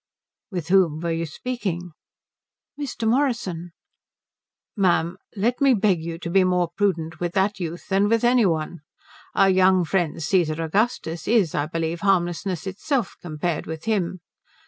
"With whom were you speaking?" "Mr. Morrison." "Ma'am, let me beg you to be more prudent with that youth than with any one. Our young friend Cæsar Augustus is I believe harmlessness itself compared with him.